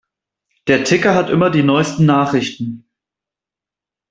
Der Ticker hat immer die neusten Nachrichten.